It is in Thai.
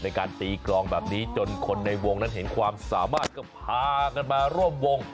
ในการตีกรองแบบนี้จนคนในวงนั้นเห็นความสามารถก็พากันมาร่วมวง